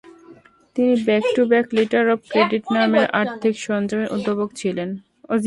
তিনি back to back letter of credit নামের আর্থিক সরঞ্জামের উদ্ভাবক ছিলেন।